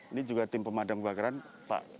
ini juga tim pemadam kebakaran pak